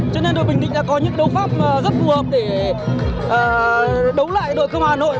cho nên đội bình định đã có những đấu pháp rất phù hợp để đấu lại đội công an hà nội